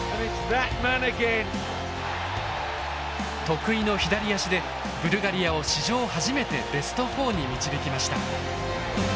得意の左足でブルガリアを史上初めてベスト４に導きました。